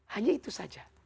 hanya itu saja